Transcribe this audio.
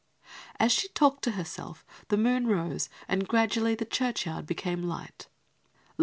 As she talked to herself the moon rose and gradually the churchyard became light.